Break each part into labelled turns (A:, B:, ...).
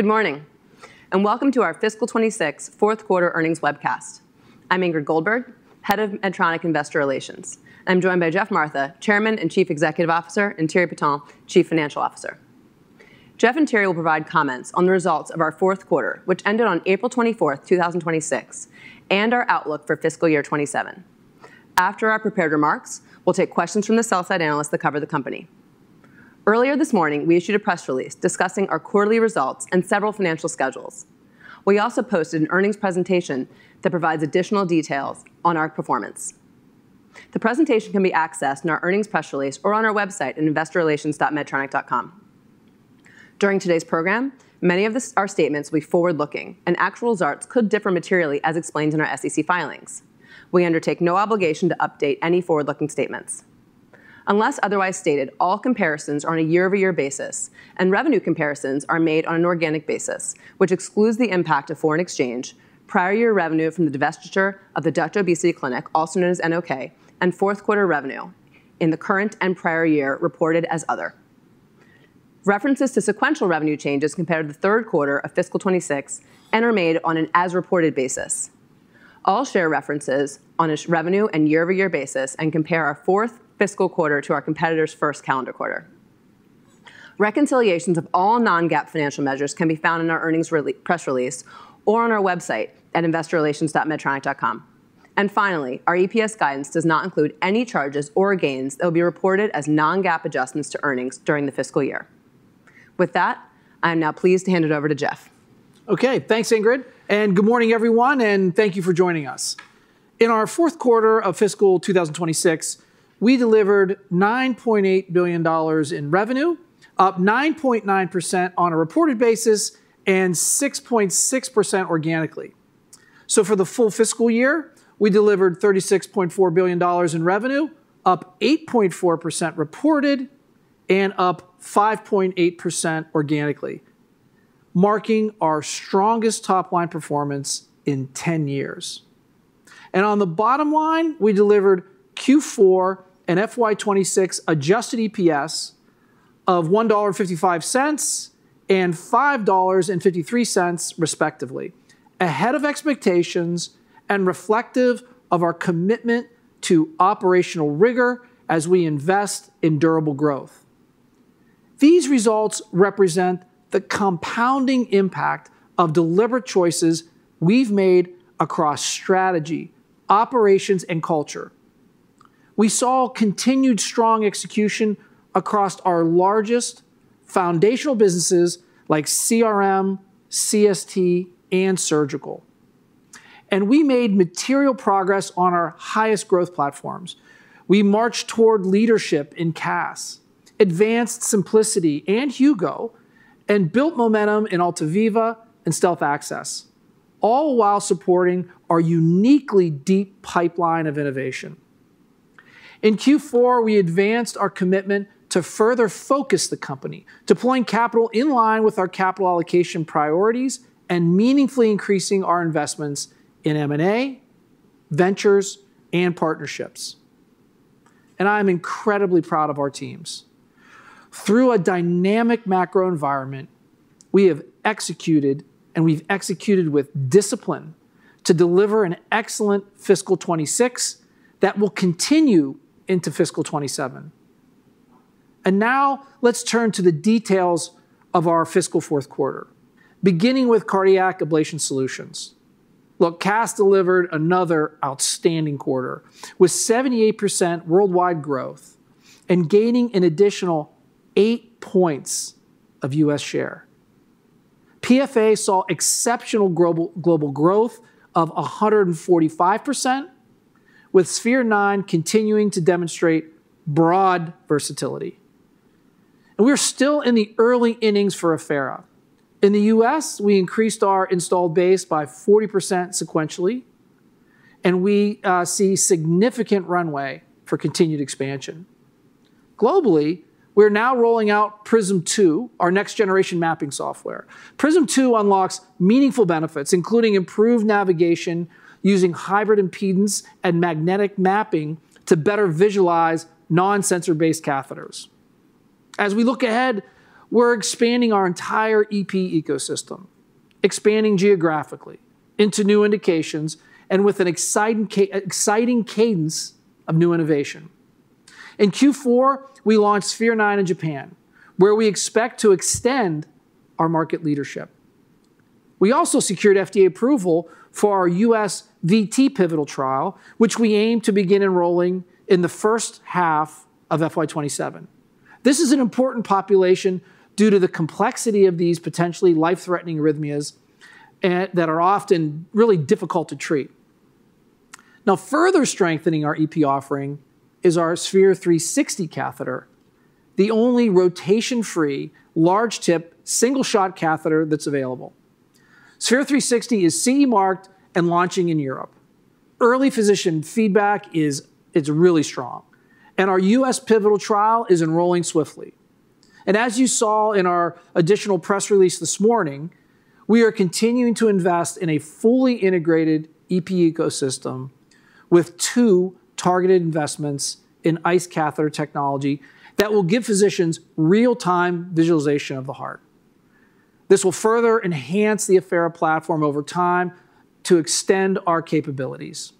A: Good morning, and welcome to our Fiscal 2026 Fourth Quarter Earnings Webcast. I'm Ingrid Goldberg, Head of Medtronic Investor Relations. I'm joined by Geoff Martha, Chairman and Chief Executive Officer, and Thierry Pieton, Chief Financial Officer. Geoff and Thierry will provide comments on the results of our fourth quarter, which ended on April 24th, 2026, and our outlook for fiscal year 2027. After our prepared remarks, we'll take questions from the sell-side analysts that cover the company. Earlier this morning, we issued a press release discussing our quarterly results and several financial schedules. We also posted an earnings presentation that provides additional details on our performance. The presentation can be accessed in our earnings press release or on our website at investorrelations.medtronic.com. During today's program, many of our statements will be forward-looking, and actual results could differ materially as explained in our SEC filings. We undertake no obligation to update any forward-looking statements. Unless otherwise stated, all comparisons are on a year-over-year basis, and revenue comparisons are made on an organic basis, which excludes the impact of foreign exchange, prior year revenue from the divestiture of the Nederlandse Obesitas Kliniek, also known as NOK, and fourth quarter revenue in the current and prior year reported as Other. References to sequential revenue changes compare to the third quarter of fiscal 2026 and are made on an as reported basis. All share references on a revenue and year-over-year basis and compare our fourth fiscal quarter to our competitors' first calendar quarter. Reconciliations of all non-GAAP financial measures can be found in our earnings press release or on our website at investorrelations.medtronic.com. Finally, our EPS guidance does not include any charges or gains that will be reported as non-GAAP adjustments to earnings during the fiscal year. With that, I am now pleased to hand it over to Geoff.
B: Okay. Thanks, Ingrid, and good morning, everyone, and thank you for joining us. In our fourth quarter of fiscal 2026, we delivered $9.8 billion in revenue, up 9.9% on a reported basis and 6.6% organically. For the full fiscal year, we delivered $36.4 billion in revenue, up 8.4% reported and up 5.8% organically, marking our strongest top-line performance in 10 years. On the bottom line, we delivered Q4 and FY 2026 adjusted EPS of $1.55 and $5.53 respectively, ahead of expectations and reflective of our commitment to operational rigor as we invest in durable growth. These results represent the compounding impact of deliberate choices we've made across strategy, operations, and culture. We saw continued strong execution across our largest foundational businesses like CRM, CST, and Surgical. We made material progress on our highest growth platforms. We marched toward leadership in CAS, advanced Symplicity and Hugo, and built momentum in Altaviva and Stealth AXiS, all while supporting our uniquely deep pipeline of innovation. In Q4, we advanced our commitment to further focus the company, deploying capital in line with our capital allocation priorities and meaningfully increasing our investments in M&A, ventures, and partnerships. I am incredibly proud of our teams. Through a dynamic macro environment, we have executed, and we've executed with discipline to deliver an excellent fiscal 2026 that will continue into fiscal 2027. Now let's turn to the details of our fiscal fourth quarter, beginning with Cardiac Ablation Solutions. Look, CAS delivered another outstanding quarter with 78% worldwide growth and gaining an additional 8 points of U.S. share. PFA saw exceptional global growth of 145%, with Sphere-9 continuing to demonstrate broad versatility. We're still in the early innings for Affera. In the U.S., we increased our installed base by 40% sequentially. We see significant runway for continued expansion. Globally, we're now rolling out Prism 2, our next generation mapping software. Prism 2 unlocks meaningful benefits, including improved navigation using hybrid impedance and magnetic mapping to better visualize non-sensor-based catheters. In Q4, we launched Sphere 9 in Japan, where we expect to extend our market leadership. We also secured FDA approval for our U.S. VT pivotal trial, which we aim to begin enrolling in the first half of FY 2027. This is an important population due to the complexity of these potentially life-threatening arrhythmias that are often really difficult to treat. Now, further strengthening our EP offering is our Sphere-360 catheter, the only rotation-free, large tip, single-shot catheter that's available. Sphere-360 is CE marked and launching in Europe. Early physician feedback is really strong, and our U.S. pivotal trial is enrolling swiftly. As you saw in our additional press release this morning. We are continuing to invest in a fully integrated EP ecosystem with two targeted investments in ICE catheter technology that will give physicians real-time visualization of the heart. This will further enhance the Affera platform over time to extend our capabilities.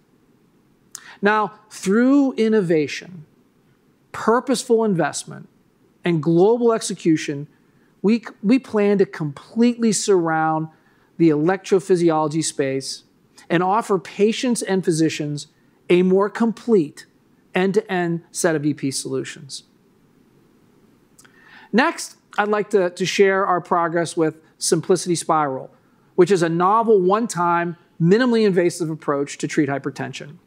B: Now, through innovation, purposeful investment, and global execution, we plan to completely surround the electrophysiology space and offer patients and physicians a more complete end-to-end set of EP solutions. Next, I'd like to share our progress with Symplicity Spyral, which is a novel, one-time, minimally invasive approach to treat hypertension.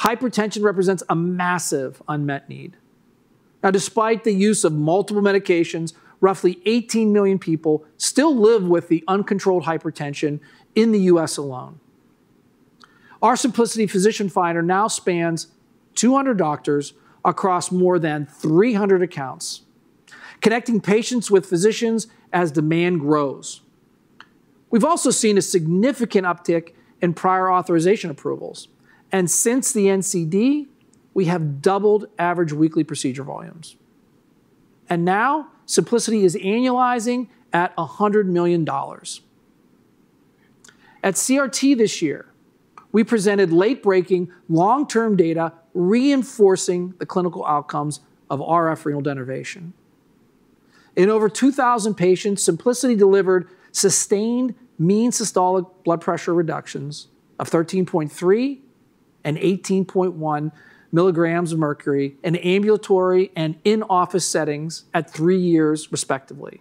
B: Hypertension represents a massive unmet need. Despite the use of multiple medications, roughly 18 million people still live with the uncontrolled hypertension in the U.S. alone. Our Symplicity physician finder now spans 200 doctors across more than 300 accounts, connecting patients with physicians as demand grows. We've also seen a significant uptick in prior authorization approvals. Since the NCD, we have doubled average weekly procedure volumes. Now Symplicity is annualizing at $100 million. At CRT this year, we presented late-breaking long-term data reinforcing the clinical outcomes of RF renal denervation. I n over 2,000 patients, Symplicity delivered sustained mean systolic blood pressure reductions of 13.3 and 18.1 milligrams of mercury in ambulatory and in-office settings at three years respectively,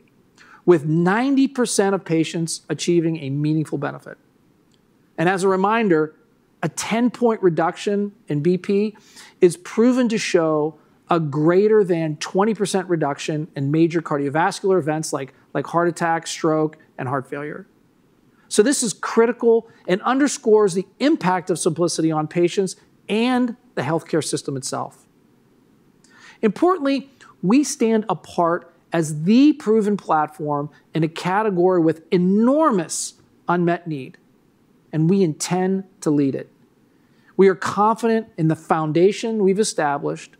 B: with 90% of patients achieving a meaningful benefit. As a reminder, a 10-point reduction in BP is proven to show a greater than 20% reduction in major cardiovascular events like heart attack, stroke, and heart failure. This is critical and underscores the impact of Symplicity on patients and the healthcare system itself. Importantly, we stand apart as the proven platform in a category with enormous unmet need, and we intend to lead it. We are confident in the foundation we've established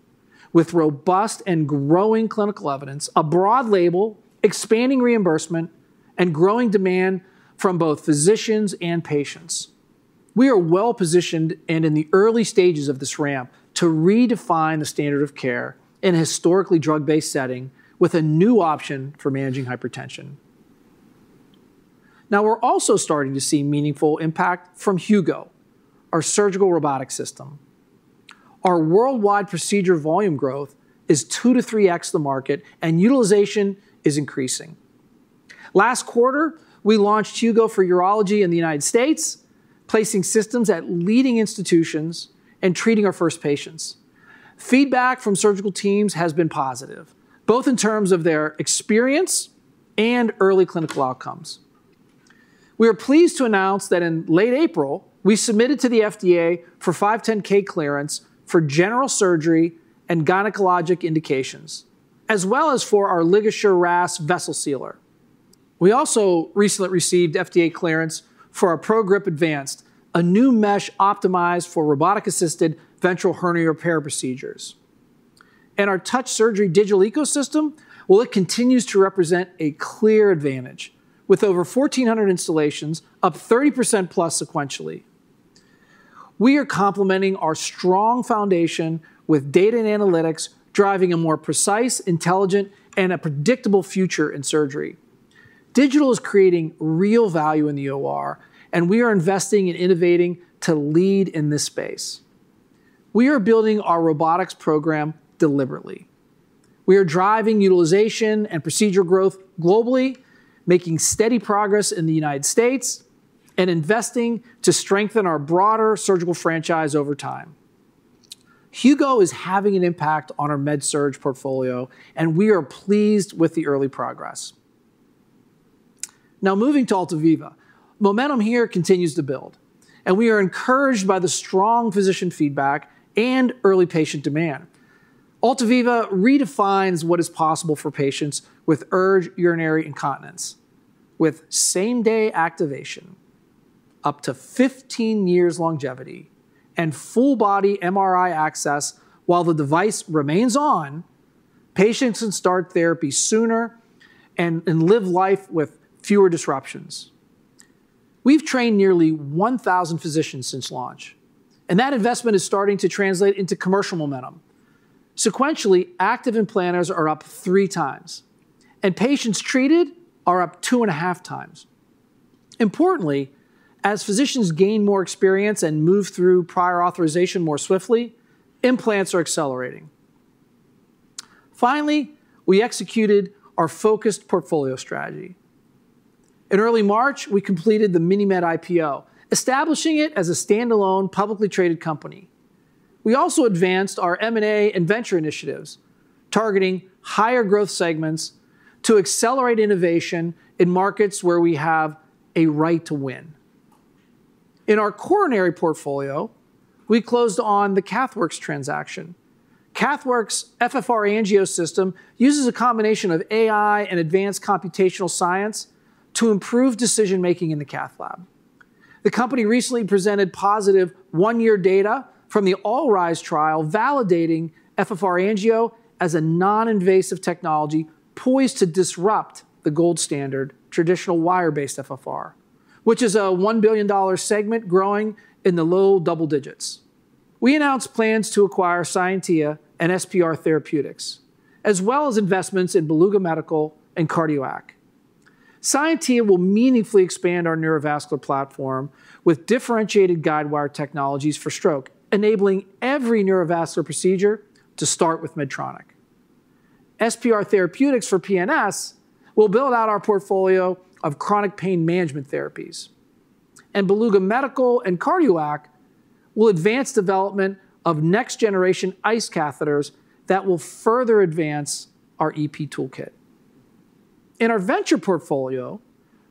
B: with robust and growing clinical evidence, a broad label, expanding reimbursement, and growing demand from both physicians and patients. We are well positioned and in the early stages of this ramp to redefine the standard of care in a historically drug-based setting with a new option for managing hypertension. We're also starting to see meaningful impact from Hugo, our surgical robotics system. Our worldwide procedure volume growth is 2-3x the market and utilization is increasing. Last quarter, we launched Hugo for urology in the U.S., placing systems at leading institutions and treating our first patients. Feedback from surgical teams has been positive, both in terms of their experience and early clinical outcomes. We are pleased to announce that in late April, we submitted to the FDA for 510(k) clearance for general surgery and gynecologic indications, as well as for our LigaSure RAS vessel sealer. We also recently received FDA clearance for our ProGrip Advanced, a new mesh optimized for robotic-assisted ventral hernia repair procedures. Our Touch Surgery digital ecosystem, well, it continues to represent a clear advantage, with over 1,400 installations, up 30%+ sequentially. We are complementing our strong foundation with data and analytics, driving a more precise, intelligent, and a predictable future in surgery. Digital is creating real value in the OR. We are investing in innovating to lead in this space. We are building our robotics program deliberately. We are driving utilization and procedure growth globally, making steady progress in the United States, and investing to strengthen our broader surgical franchise over time. Hugo is having an impact on our MedSurg portfolio, and we are pleased with the early progress. Moving to Altaviva. Momentum here continues to build. We are encouraged by the strong physician feedback and early patient demand. Altaviva redefines what is possible for patients with urge urinary incontinence. With same-day activation, up to 15 years longevity, and full-body MRI access while the device remains on, patients can start therapy sooner and live life with fewer disruptions. We've trained nearly 1,000 physicians since launch. That investment is starting to translate into commercial momentum. Sequentially, active implanters are up three times, and patients treated are up 2.5 times. Importantly, as physicians gain more experience and move through prior authorization more swiftly, implants are accelerating. Finally, we executed our focused portfolio strategy. In early March, we completed the MiniMed IPO, establishing it as a standalone publicly traded company. We also advanced our M&A and venture initiatives, targeting higher growth segments to accelerate innovation in markets where we have a right to win. In our coronary portfolio, we closed on the CathWorks transaction. CathWorks' FFRangio system uses a combination of AI and advanced computational science to improve decision-making in the cath lab. The company recently presented positive one-year data from the ALL-RISE trial validating FFRangio as a non-invasive technology poised to disrupt the gold standard traditional wire-based FFR, which is a $1 billion segment growing in the low double digits. We announced plans to acquire Scientia and SPR Therapeutics, as well as investments in Beluga Medical and CardioACC. Scientia will meaningfully expand our neurovascular platform with differentiated guidewire technologies for stroke, enabling every neurovascular procedure to start with Medtronic. SPR Therapeutics for PNS will build out our portfolio of chronic pain management therapies. And Beluga Medical and CardioACC will advance development of next-generation ICE catheters that will further advance our EP toolkit. In our venture portfolio,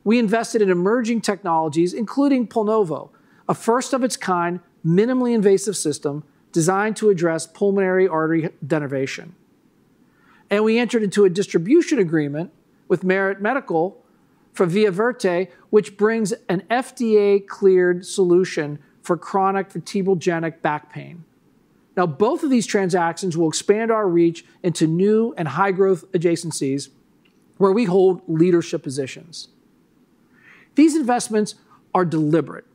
B: we invested in emerging technologies, including Pulnovo, a first-of-its-kind, minimally invasive system designed to address pulmonary artery denervation. We entered into a distribution agreement with Merit Medical for ViaVerte, which brings an FDA-cleared solution for chronic vertebrogenic back pain. Now, both of these transactions will expand our reach into new and high-growth adjacencies where we hold leadership positions. These investments are deliberate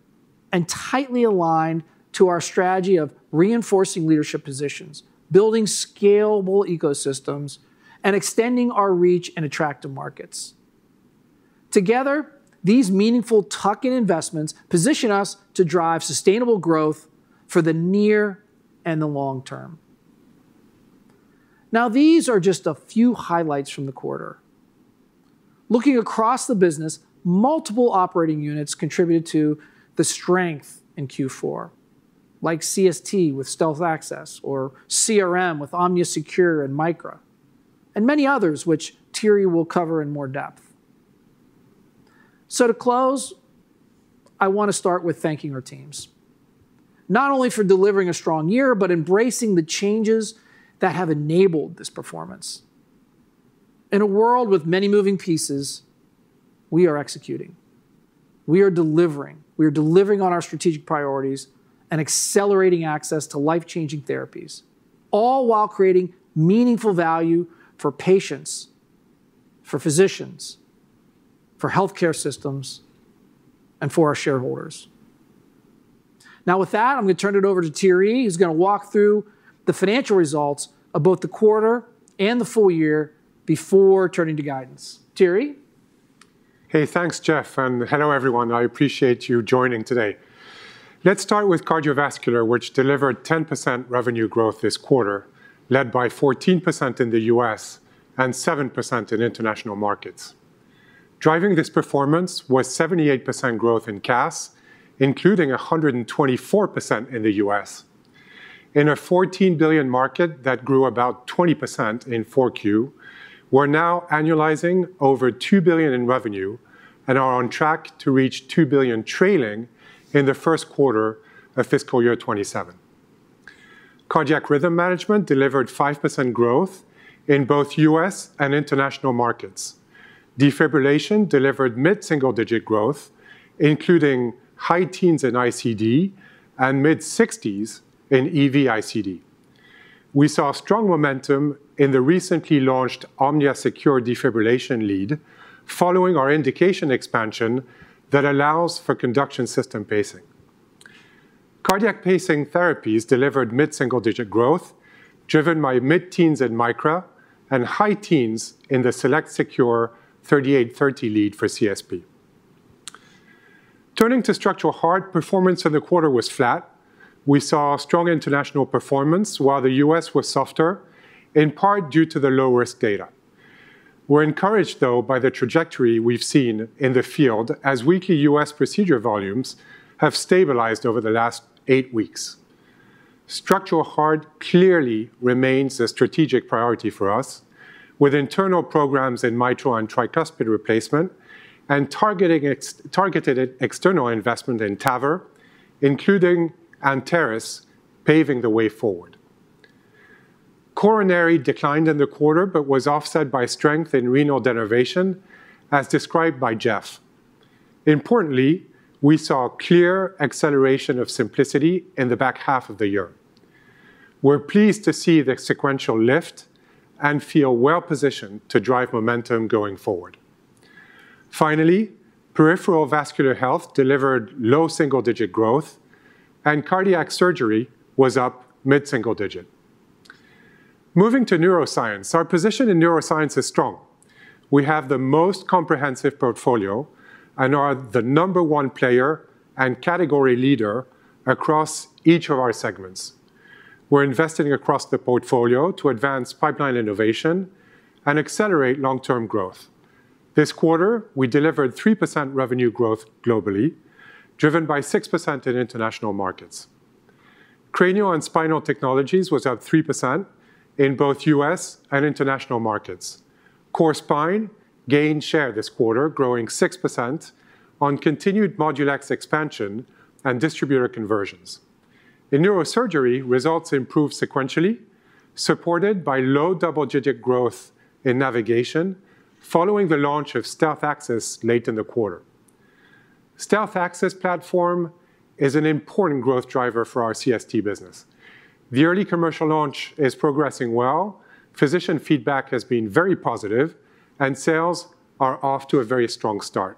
B: and tightly aligned to our strategy of reinforcing leadership positions, building scalable ecosystems, and extending our reach in attractive markets. Together, these meaningful tuck-in investments position us to drive sustainable growth for the near and the long term. Now, these are just a few highlights from the quarter. Looking across the business, multiple operating units contributed to the strength in Q4, like CST with Stealth AXiS, or CRM with OmniaSecure and Micra, and many others, which Thierry will cover in more depth. To close, I want to start with thanking our teams. Not only for delivering a strong year, but embracing the changes that have enabled this performance. In a world with many moving pieces, we are executing. We are delivering. We are delivering on our strategic priorities and accelerating access to life-changing therapies, all while creating meaningful value for patients, for physicians, for healthcare systems, and for our shareholders. With that, I'm going to turn it over to Thierry, who's going to walk through the financial results of both the quarter and the full year before turning to guidance. Thierry?
C: Hey. Thanks, Geoff, and hello, everyone. I appreciate you joining today. Let's start with cardiovascular, which delivered 10% revenue growth this quarter, led by 14% in the U.S. and 7% in international markets. Driving this performance was 78% growth in CAS, including 124% in the U.S. In a $14 billion market that grew about 20% in 4Q, we're now annualizing over $2 billion in revenue and are on track to reach $2 billion trailing in the first quarter of fiscal year 2027. Cardiac Rhythm Management delivered 5% growth in both U.S. and international markets. Defibrillation delivered mid-single-digit growth, including high teens in ICD and mid-60s in EV-ICD. We saw strong momentum in the recently launched OmniaSecure defibrillation lead following our indication expansion that allows for conduction system pacing. Cardiac pacing therapies delivered mid-single-digit growth, driven by mid-teens in Micra and high teens in the SelectSecure 3830 lead for CSP. Turning to structural heart, performance in the quarter was flat. We saw strong international performance while the U.S. was softer, in part due to the low-risk data. We're encouraged, though, by the trajectory we've seen in the field, as weekly U.S. procedure volumes have stabilized over the last eight weeks. Structural heart clearly remains a strategic priority for us, with internal programs in mitral and tricuspid replacement and targeted external investment in TAVR, including Anteris, paving the way forward. Coronary declined in the quarter but was offset by strength in renal denervation, as described by Geoff. Importantly, we saw clear acceleration of Symplicity in the back half of the year. We're pleased to see the sequential lift and feel well-positioned to drive momentum going forward. Finally, peripheral vascular health delivered low double-digit growth. Cardiac surgery was up mid-single digit. Moving to Neuroscience. Our position in Neuroscience is strong. We have the most comprehensive portfolio and are the number one player and category leader across each of our segments. We're investing across the portfolio to advance pipeline innovation and accelerate long-term growth. This quarter, we delivered 3% revenue growth globally, driven by 6% in international markets. Cranial and Spinal Technologies was up 3% in both U.S. and international markets. Core spine gained share this quarter, growing 6% on continued CD Horizon ModuLeX expansion and distributor conversions. In Neurosurgery, results improved sequentially, supported by low double-digit growth in navigation following the launch of Stealth AXiS late in the quarter. Stealth AXiS platform is an important growth driver for our CST business. The early commercial launch is progressing well, physician feedback has been very positive, and sales are off to a very strong start.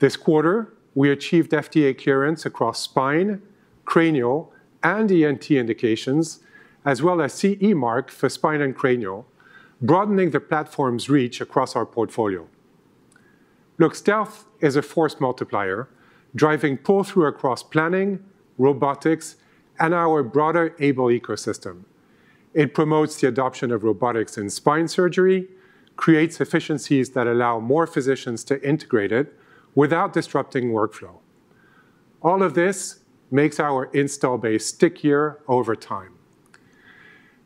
C: This quarter, we achieved FDA clearance across spine, cranial, and ENT indications, as well as CE mark for spine and cranial, broadening the platform's reach across our portfolio. Look, Stealth is a force multiplier, driving pull-through across planning, robotics, and our broader AiBLE ecosystem. It promotes the adoption of robotics in spine surgery, creates efficiencies that allow more physicians to integrate it without disrupting workflow. All of this makes our install base stickier over time.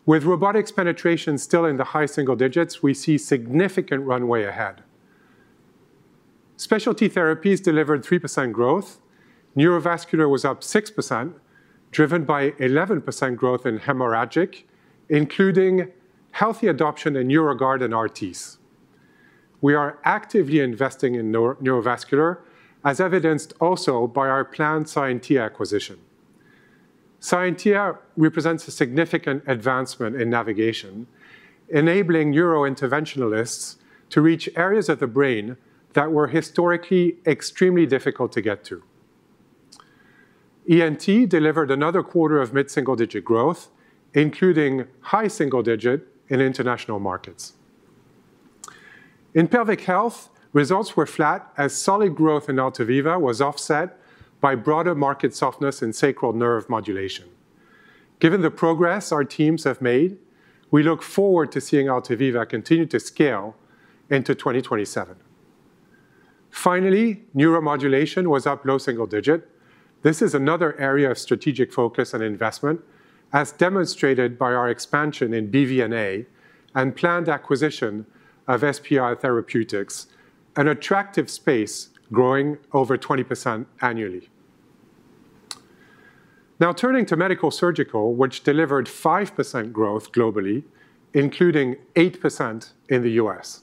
C: With robotics penetration still in the high single digits, we see significant runway ahead. Specialty therapies delivered 3% growth. Neurovascular was up 6%, driven by 11% growth in hemorrhagic, including healthy adoption in Neuroguard and RTs. We are actively investing in neurovascular, as evidenced also by our planned Scientia acquisition. Scientia represents a significant advancement in navigation, enabling neurointerventionalists to reach areas of the brain that were historically extremely difficult to get to. ENT delivered another quarter of mid-single-digit growth, including high single digit in international markets. In pelvic health, results were flat as solid growth in Altaviva was offset by broader market softness in sacral neuromodulation. Given the progress our teams have made, we look forward to seeing Altaviva continue to scale into 2027. Finaaly, Neuromodulation was up low single digit. This is another area of strategic focus and investment, as demonstrated by our expansion in BVNA and planned acquisition of SPR Therapeutics, an attractive space growing over 20% annually. Now turning to Medical-Surgical, which delivered 5% growth globally, including 8% in the U.S.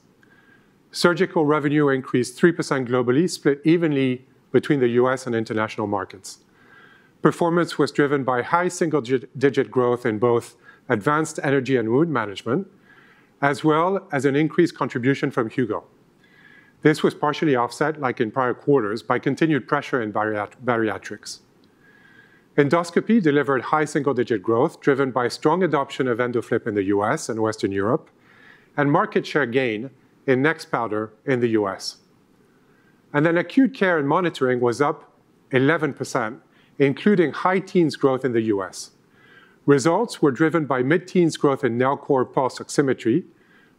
C: Surgical revenue increased 3% globally, split evenly between the U.S. and international markets. Performance was driven by high single-digit growth in both advanced energy and wound management, as well as an increased contribution from Hugo. This was partially offset, like in prior quarters, by continued pressure in bariatrics. Endoscopy delivered high single-digit growth, driven by strong adoption of EndoFLIP in the U.S. and Western Europe and market share gain in Nexpowder in the U.S. Acute care and monitoring was up 11%, including high teens growth in the U.S. Results were driven by mid-teens growth in Nellcor pulse oximetry,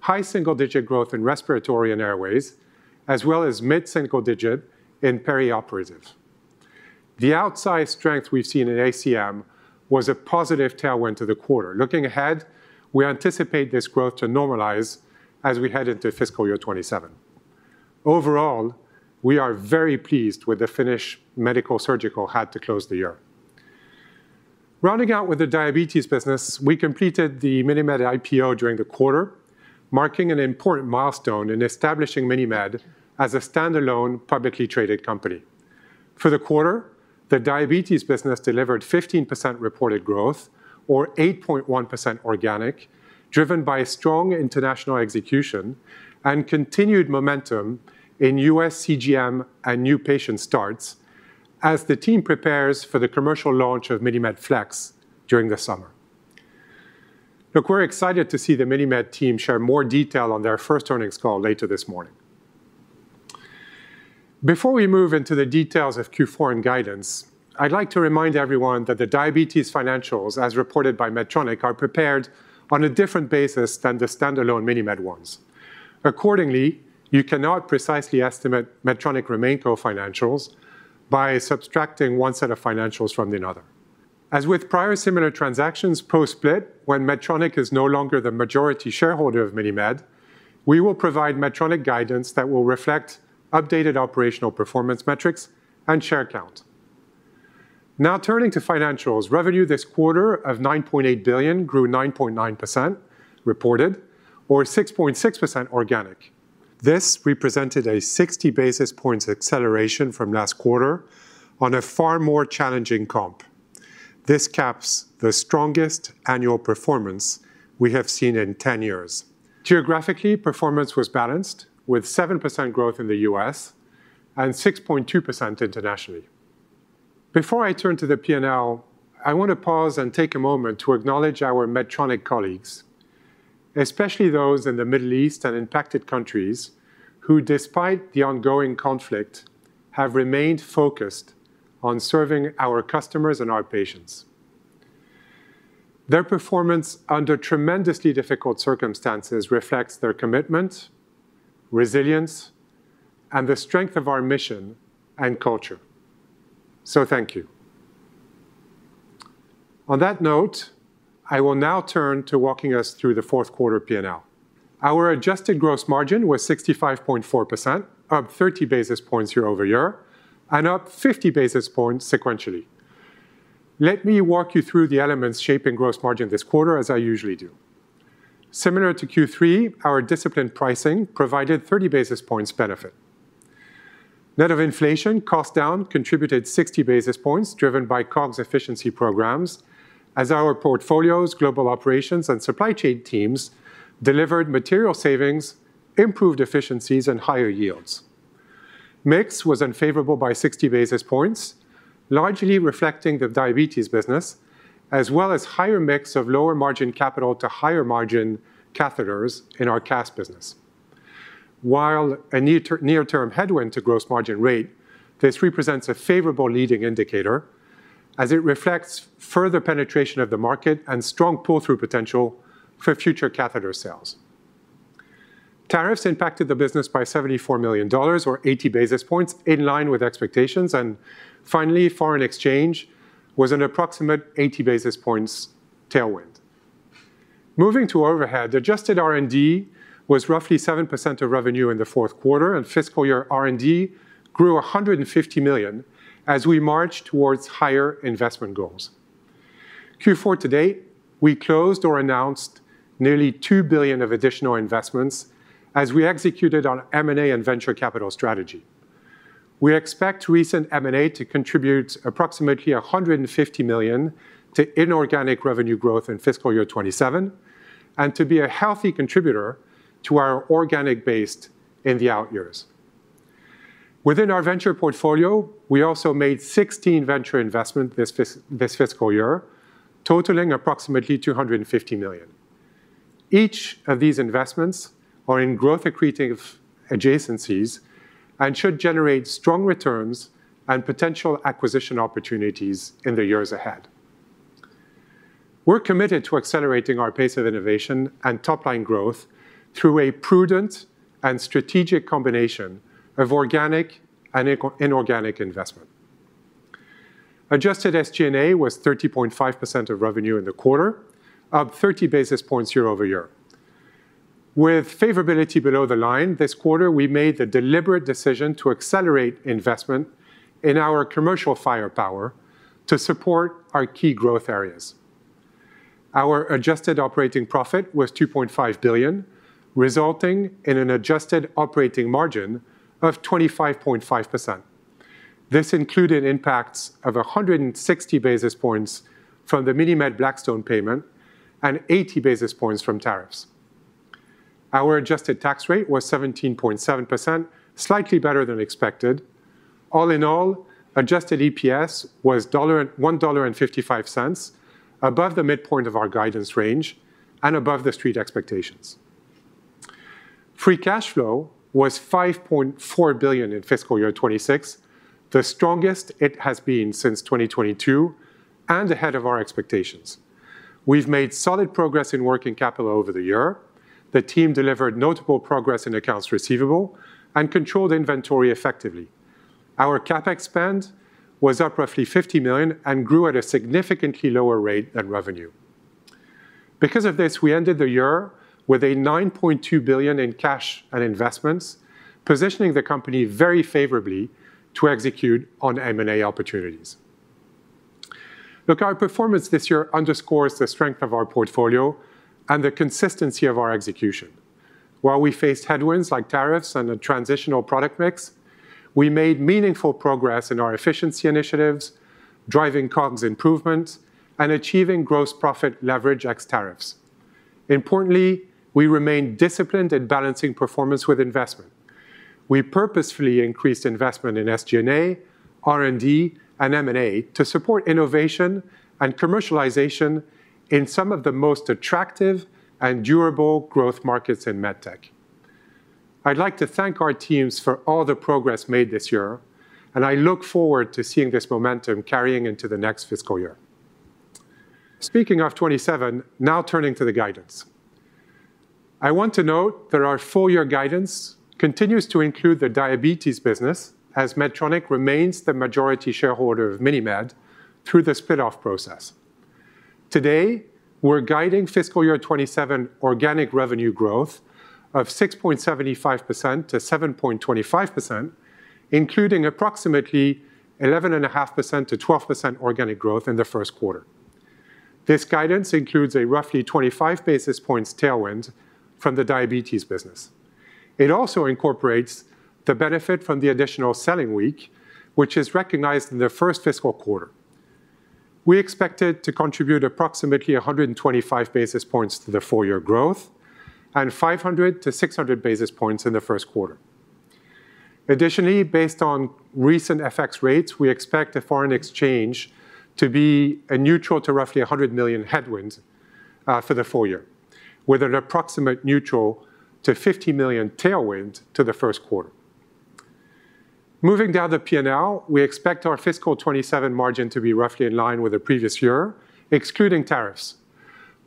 C: high single-digit growth in respiratory and airways, as well as mid-single digit in perioperative. The outsize strength we've seen in ACM was a positive tailwind to the quarter. Looking ahead, we anticipate this growth to normalize as we head into fiscal year 2027. Overall, we are very pleased with the finish Medical Surgical had to close the year. Rounding out with the diabetes business, we completed the MiniMed IPO during the quarter, marking an important milestone in establishing MiniMed as a standalone, publicly traded company. For the quarter, the diabetes business delivered 15% reported growth or 8.1% organic, driven by strong international execution and continued momentum in U.S. CGM and new patient starts as the team prepares for the commercial launch of MiniMed Flex during the summer. We're excited to see the MiniMed team share more detail on their first earnings call later this morning. Before we move into the details of Q4 and guidance, I'd like to remind everyone that the diabetes financials, as reported by Medtronic, are prepared on a different basis than the standalone MiniMed ones. Accordingly, you cannot precisely estimate Medtronic RemainCo financials by subtracting one set of financials from another. As with prior similar transactions post-split, when Medtronic is no longer the majority shareholder of MiniMed, we will provide Medtronic guidance that will reflect updated operational performance metrics and share count. Now, turning to financials. Revenue this quarter of $9.8 billion grew 9.9% reported or 6.6% organic. This represented a 60 basis points acceleration from last quarter on a far more challenging comp. This caps the strongest annual performance we have seen in 10 years. Geographically, performance was balanced with 7% growth in the U.S. and 6.2% internationally. Before I turn to the P&L, I want to pause and take a moment to acknowledge our Medtronic colleagues, especially those in the Middle East and impacted countries who, despite the ongoing conflict, have remained focused on serving our customers and our patients. Their performance under tremendously difficult circumstances reflects their commitment, resilience, and the strength of our mission and culture. So, thank you. On that note, I will now turn to walking us through the fourth quarter P&L. Our adjusted gross margin was 65.4%, up 30 basis points year-over-year, and up 50 basis points sequentially. Let me walk you through the elements shaping gross margin this quarter as I usually do. Similar to Q3, our disciplined pricing provided 30 basis points benefit. Net of inflation, cost down contributed 60 basis points, driven by COGS efficiency programs as our portfolios, global operations, and supply chain teams delivered material savings, improved efficiencies, and higher yields. Mix was unfavorable by 60 basis points, largely reflecting the diabetes business, as well as higher mix of lower margin capital to higher margin catheters in our CAS business. While a near-term headwind to gross margin rate, this represents a favorable leading indicator as it reflects further penetration of the market and strong pull-through potential for future catheter sales. Tariffs impacted the business by $74 million, or 80 basis points, in line with expectations. Finally, foreign exchange was an approximate 80 basis points tailwind. Moving to overhead, adjusted R&D was roughly 7% of revenue in the fourth quarter, and fiscal year R&D grew $150 million as we march towards higher investment goals. Q4 to date, we closed or announced nearly $2 billion of additional investments as we executed on M&A and venture capital strategy. We expect recent M&A to contribute approximately $150 million to inorganic revenue growth in fiscal year 2027, and to be a healthy contributor to our organic base in the out years. Within our venture portfolio, we also made 16 venture investments this fiscal year, totaling approximately $250 million. Each of these investments are in growth-accretive adjacencies and should generate strong returns and potential acquisition opportunities in the years ahead. We're committed to accelerating our pace of innovation and top-line growth through a prudent and strategic combination of organic and inorganic investment. Adjusted SG&A was 30.5% of revenue in the quarter, up 30 basis points year-over-year. With favorability below the line this quarter, we made the deliberate decision to accelerate investment in our commercial firepower to support our key growth areas. Our adjusted operating profit was $2.5 billion, resulting in an adjusted operating margin of 25.5%. This included impacts of 160 basis points from the MiniMed Blackstone payment and 80 basis points from tariffs. Our adjusted tax rate was 17.7%, slightly better than expected. All in all, adjusted EPS was $1.55, above the midpoint of our guidance range and above the street expectations. Free cash flow was $5.4 billion in fiscal year 2026, the strongest it has been since 2022, and ahead of our expectations. We've made solid progress in working capital over the year. The team delivered notable progress in accounts receivable and controlled inventory effectively. Our CapEx spend was up roughly $50 million and grew at a significantly lower rate than revenue. Because of this, we ended the year with a $9.2 billion in cash and investments, positioning the company very favorably to execute on M&A opportunities. Look, our performance this year underscores the strength of our portfolio and the consistency of our execution. While we faced headwinds like tariffs and a transitional product mix, we made meaningful progress in our efficiency initiatives, driving COGS improvements, and achieving gross profit leverage ex tariffs. Importantly, we remain disciplined in balancing performance with investment. We purposefully increased investment in SG&A, R&D, and M&A to support innovation and commercialization in some of the most attractive and durable growth markets in MedTech. I'd like to thank our teams for all the progress made this year, and I look forward to seeing this momentum carrying into the next fiscal year. Speaking of 2027, now turning to the guidance. I want to note that our full-year guidance continues to include the diabetes business, as Medtronic remains the majority shareholder of MiniMed through the spin-off process. Today, we're guiding fiscal year 2027 organic revenue growth of 6.75% to 7.25%, including approximately 11.5%-12% organic growth in the first quarter. This guidance includes a roughly 25 basis points tailwind from the Diabetes business. It also incorporates the benefit from the additional selling week, which is recognized in the first fiscal quarter. We expect it to contribute approximately 125 basis points to the full-year growth and 500 to 600 basis points in the first quarter. Based on recent FX rates, we expect foreign exchange to be a neutral to roughly $100 million headwinds for the full year, with an approximate neutral to $50 million tailwind to the first quarter. Moving down the P&L, we expect our fiscal 2027 margin to be roughly in line with the previous year, excluding tariffs.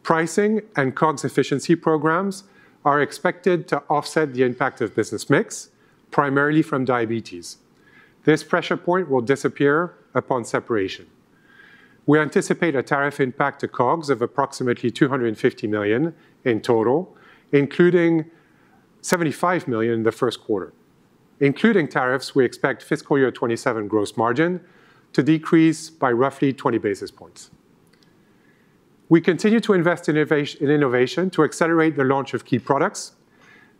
C: Pricing and COGS efficiency programs are expected to offset the impact of business mix, primarily from Diabetes. This pressure point will disappear upon separation. We anticipate a tariff impact to COGS of approximately $250 million in total, including $75 million in the first quarter. Including tariffs, we expect fiscal year 2027 gross margin to decrease by roughly 20 basis points. We continue to invest in innovation to accelerate the launch of key products.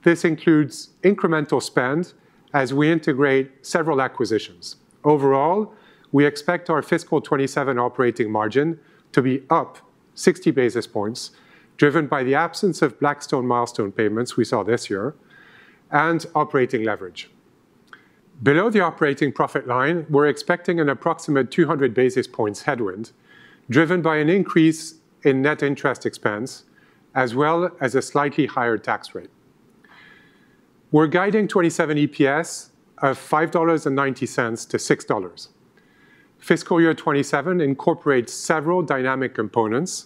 C: This includes incremental spend as we integrate several acquisitions. Overall, we expect our fiscal 2027 operating margin to be up 60 basis points, driven by the absence of Blackstone milestone payments we saw this year and operating leverage. Below the operating profit line, we're expecting an approximate 200 basis points headwind, driven by an increase in net interest expense as well as a slightly higher tax rate. We're guiding 2027 EPS of $5.90-$6. Fiscal year 2027 incorporates several dynamic components.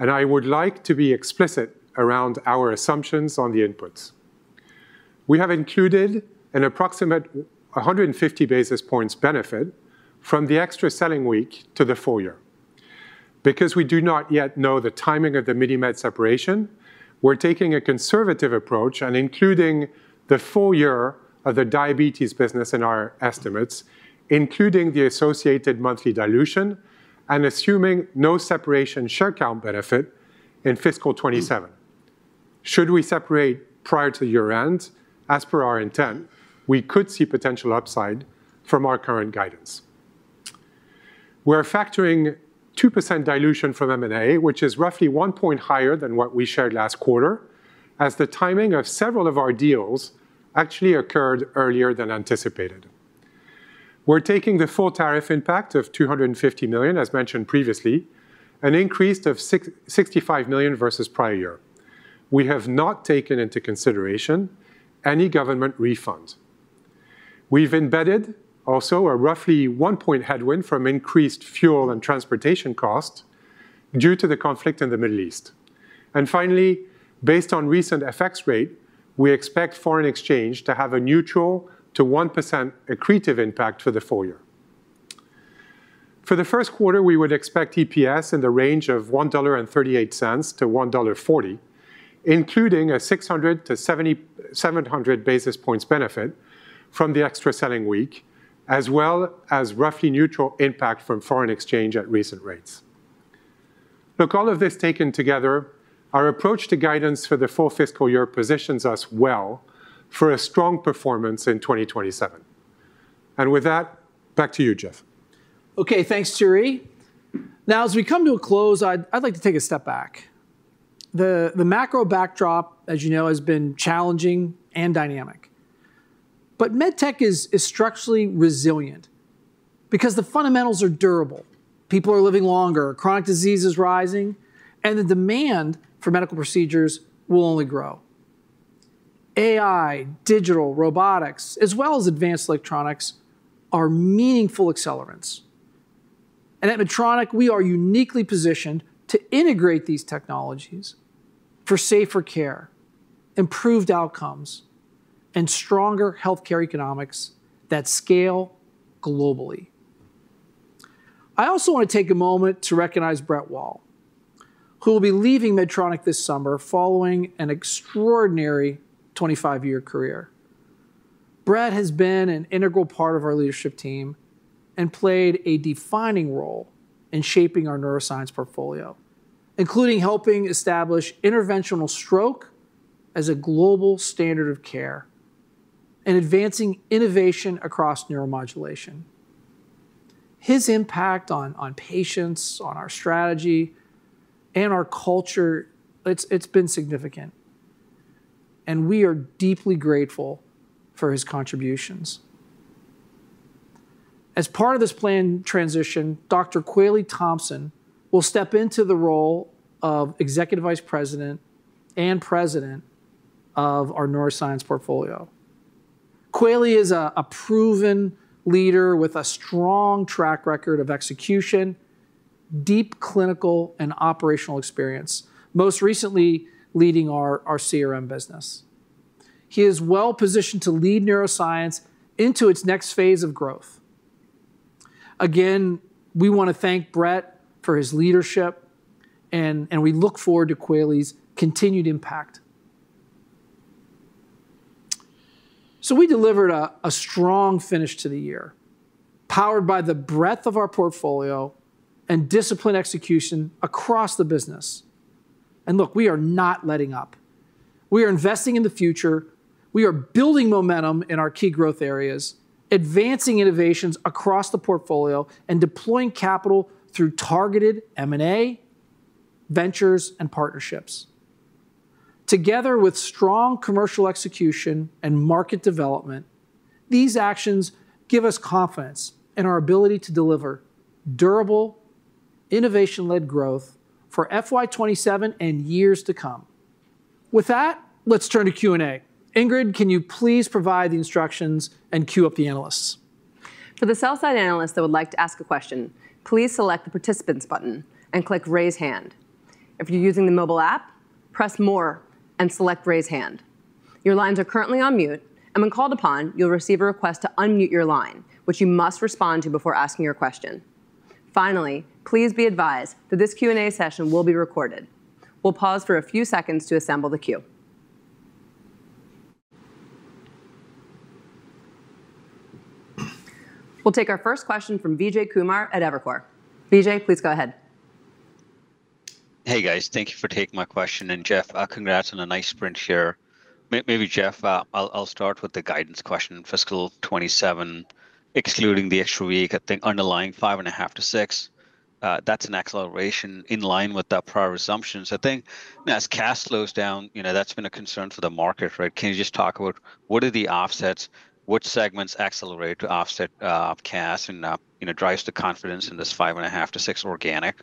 C: I would like to be explicit around our assumptions on the inputs. We have included an approximate 150 basis points benefit from the extra selling week to the full year. Because we do not yet know the timing of the MiniMed separation, we're taking a conservative approach and including the full year of the diabetes business in our estimates, including the associated monthly dilution and assuming no separation share count benefit in fiscal 2027. Should we separate prior to year-end, as per our intent, we could see potential upside from our current guidance. We're factoring 2% dilution from M&A, which is roughly one point higher than what we shared last quarter, as the timing of several of our deals actually occurred earlier than anticipated. We're taking the full tariff impact of $250 million, as mentioned previously, an increase of $65 million versus prior year. We have not taken into consideration any government refund. We've embedded also a roughly one-point headwind from increased fuel and transportation costs due to the conflict in the Middle East. Finally, based on recent FX rate, we expect foreign exchange to have a neutral to 1% accretive impact for the full year. For the first quarter, we would expect EPS in the range of $1.38-$1.40, including a 600-700 basis points benefit from the extra selling week, as well as roughly neutral impact from foreign exchange at recent rates. Look, all of this taken together, our approach to guidance for the full fiscal year positions us well for a strong performance in 2027. With that, back to you, Geoff.
B: Okay. Thanks, Thierry. As we come to a close, I'd like to take a step back. The macro backdrop, as you know, has been challenging and dynamic. But, MedTech is structurally resilient because the fundamentals are durable. People are living longer, chronic disease is rising, and the demand for medical procedures will only grow. AI, digital, robotics, as well as advanced electronics are meaningful accelerants. At Medtronic, we are uniquely positioned to integrate these technologies for safer care, improved outcomes, and stronger healthcare economics that scale globally. I also want to take a moment to recognize Brett Wall, who will be leaving Medtronic this summer following an extraordinary 25-year career. Brett has been an integral part of our leadership team and played a defining role in shaping our Neuroscience Portfolio, including helping establish interventional stroke as a global standard of care and advancing innovation across neuromodulation. His impact on patients, on our strategy, and our culture, it's been significant, and we are deeply grateful for his contributions. As part of this planned transition, Dr. Kweli Thompson will step into the role of Executive Vice President and President of our Neuroscience Portfolio. Kweli is a proven leader with a strong track record of execution, deep clinical and operational experience, most recently leading our CRM business. He is well-positioned to lead Neuroscience into its next phase of growth. Again, we want to thank Brett for his leadership, and we look forward to Kweli's continued impact. We delivered a strong finish to the year, powered by the breadth of our portfolio and disciplined execution across the business. Look, we are not letting up. We are investing in the future. We are building momentum in our key growth areas, advancing innovations across the portfolio, and deploying capital through targeted M&A, ventures, and partnerships. Together with strong commercial execution and market development, these actions give us confidence in our ability to deliver durable, innovation-led growth for FY 2027 and years to come. With that, let's turn to Q&A. Ingrid, can you please provide the instructions and queue up the analysts?
A: For the sell-side analysts that would like to ask a question, please select the Participants button and click Raise Hand. If you're using the mobile app, press More and select Raise Hand. Your lines are currently on mute, when called upon, you'll receive a request to unmute your line, which you must respond to before asking your question. Finally, please be advised that this Q&A session will be recorded. We'll pause for a few seconds to assemble the queue. We'll take our first question from Vijay Kumar at Evercore. Vijay, please go ahead.
D: Hey, guys. Thank you for taking my question. Geoff, congrats on a nice sprint share. Maybe, Geoff, I'll start with the guidance question. FY 2027, excluding the extra week, I think underlying 5.5%-6%, that's an acceleration in line with the prior assumptions. I think as CAS slows down, that's been a concern for the market. Can you just talk about what are the offsets, which segments accelerate to offset CAS and drives the confidence in this 5.5%-6% organic?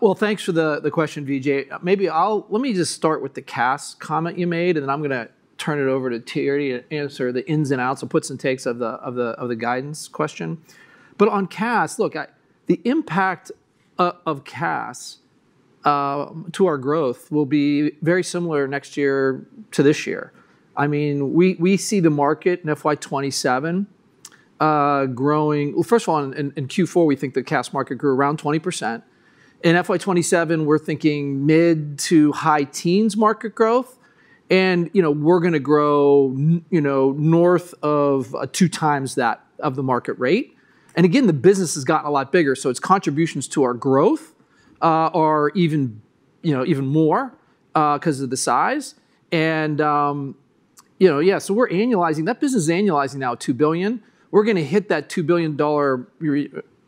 B: Well, thanks for the question, Vijay. Let me just start with the CAS comment you made, and then I'm going to turn it over to Thierry to answer the ins and outs, the puts and takes of the guidance question. On CAS, look, the impact of CAS to our growth will be very similar next year to this year. Well, first of all, in Q4, we think the CAS market grew around 20%. In FY 2027, we're thinking mid to high teens market growth, and we're going to grow north of two times that of the market rate. Again, the business has gotten a lot bigger, so its contributions to our growth are even more because of the size. That business is annualizing now at $2 billion. We're going to hit that $2 billion